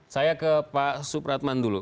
saya ke pak supratman dulu